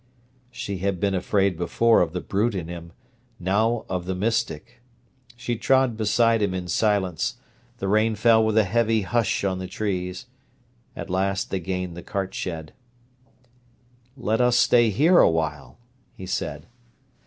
She had been afraid before of the brute in him: now of the mystic. She trod beside him in silence. The rain fell with a heavy "Hush!" on the trees. At last they gained the cartshed. "Let us stay here awhile," he said.